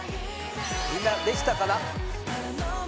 みんなできたかな？